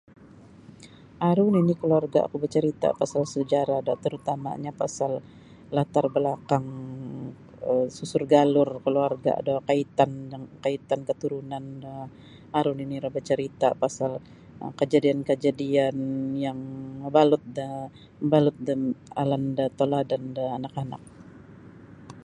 Aru nini keluarga ku bacarita pasal sejarah do terutamanya latar belakang um susur galur keluarga do kaitan jaan kaitan keturunan do aru nini iro bacarita pasal um kajadian-kajadian yang mabalut da mabalut da alan da taladan da anak-anak.